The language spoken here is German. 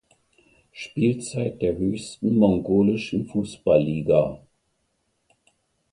Spielzeit der höchsten mongolischen Fußballliga.